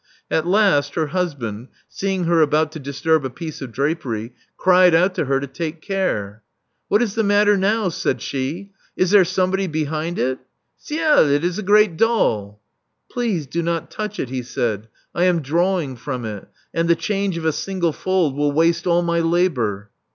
At last her husband, seeing her about to disturb a piece of drapery, cried out to her to take care. What is the matter now?" said she. Is there somebody behind it? del! it is a great doll." Please do not touch it," he said. I am drawing from it ; and the change of a single fold will waste all my labor."